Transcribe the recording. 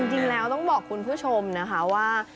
จริงแล้วต้องบอกคุณผู้ชมนะคะว่า